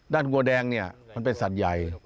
ด้านกลัวแดงนี่มันเป็นสัตว์ใหญ่